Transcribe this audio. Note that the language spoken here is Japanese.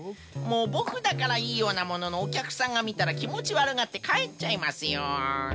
もうボクだからいいようなもののおきゃくさんがみたらきもちわるがってかえっちゃいますよ。